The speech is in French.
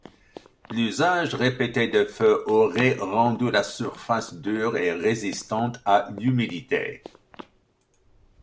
L'usage répété de feux aurait rendu la surface dure et résistante à l'humidité.